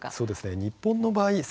日本の場合です。